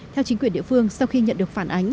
theo chính quyền địa phương sau khi nhận được phản ánh